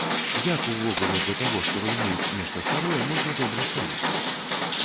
Як увогуле да таго, што руйнуюць нешта старое, можна добра ставіцца?